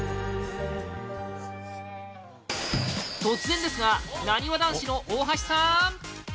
突然ですがなにわ男子の大橋さん！